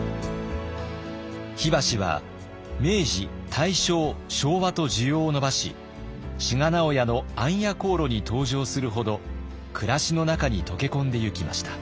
火箸は明治大正昭和と需要を伸ばし志賀直哉の「暗夜行路」に登場するほど暮らしの中に溶け込んでいきました。